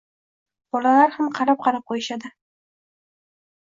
Bolalar ham qarab -qarab qoʻyishadi